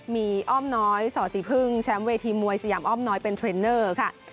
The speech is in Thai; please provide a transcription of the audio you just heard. มีอ้อมน้อยสอสีพึ่งแชมป์เวทีมวยสยามอ้อมน้อยเป็นเทรนเนอร์ค่ะ